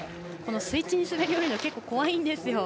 スイッチにするの結構、怖いんです。